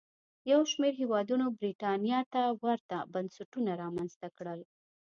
یو شمېر هېوادونو برېټانیا ته ورته بنسټونه رامنځته کړل.